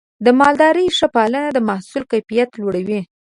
د مالدارۍ ښه پالنه د محصول کیفیت لوړوي.